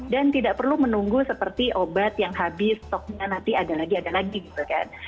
dan tidak perlu menunggu seperti obat yang habis stoknya nanti ada lagi ada lagi gitu kan